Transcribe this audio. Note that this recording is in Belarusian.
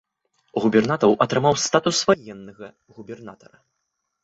Губернатар атрымаў статус ваеннага губернатара.